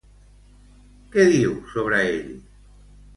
Què diu sobre ell?